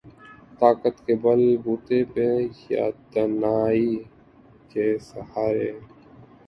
طاقت کے بل بوتے پہ یا دانائی کے سہارے۔